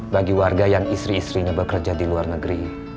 bagi warga yang istri istrinya bekerja di luar negeri